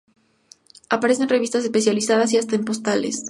Aparece en revistas especializadas y hasta en postales.